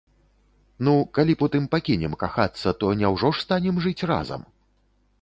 Ну калі потым пакінем кахацца, то няўжо ж станем жыць разам?